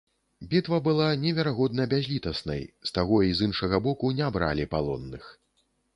Бітва была неверагодна бязлітаснай, з таго і з іншага боку не бралі палонных.